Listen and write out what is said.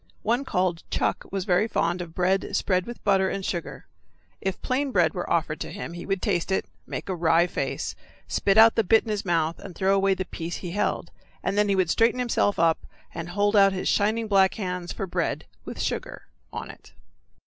One called Chuck was very fond of bread spread with butter and sugar. If plain bread were offered to him he would taste it, make a wry face, spit out the bit in his mouth, and throw away the piece he held, and then he would straighten himself up and hold out his shining black hands for bread with sugar on it.